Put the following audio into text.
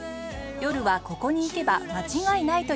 夜はここに行けば間違いないといわれます